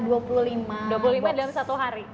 dua puluh lima dalam satu hari